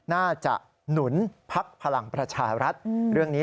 หนุนพักพลังประชารัฐเรื่องนี้